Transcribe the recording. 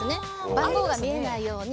番号が見えないように。